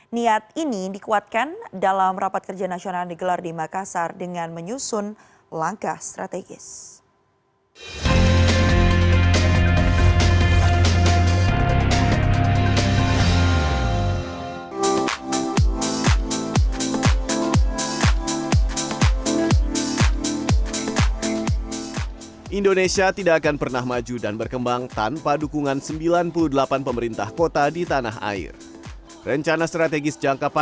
niat ini dikuatkan dalam rapat kerja nasional yang digelar di makassar dengan menyusun langkah strategis